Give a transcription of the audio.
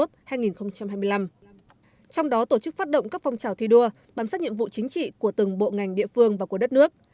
trong đó tổ chức phát động các phong trào thi đua bám sát nhiệm vụ chính trị của từng bộ ngành địa phương và của đất nước